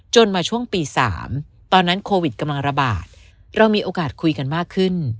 มาช่วงปี๓ตอนนั้นโควิดกำลังระบาดเรามีโอกาสคุยกันมากขึ้น